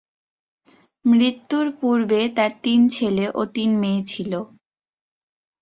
মৃত্যুর পূর্বে তার তিন ছেলে ও তিন মেয়ে ছিল।